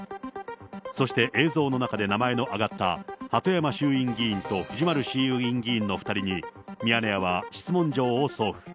そして映像の中で名前の挙がった、鳩山衆院議員と藤丸衆議院議員の２人にミヤネ屋は質問状を送付。